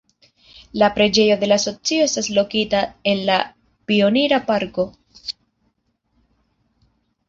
La Preĝejo de la Asocio estas lokita en la Pionira Parko.